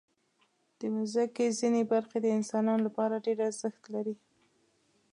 د مځکې ځینې برخې د انسانانو لپاره ډېر ارزښت لري.